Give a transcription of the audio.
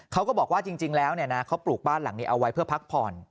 ก็บอกว่าจริงแล้วเขาปลูกบ้านหลังนี้เอาไว้เพื่อพักผ่อน